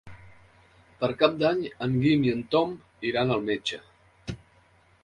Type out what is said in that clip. Per Cap d'Any en Guim i en Tom iran al metge.